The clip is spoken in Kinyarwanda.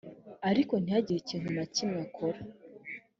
ariko ntiyagira ikintu nakimwe akora